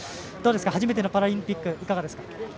初めてのパラリンピックいかがですか？